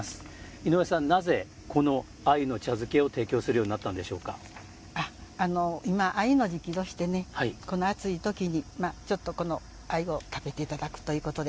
井上さん、なぜこのあゆの茶漬けを提供するように今、あゆの時期どしてねこの暑い時にちょっとこのあゆを食べていただくということで。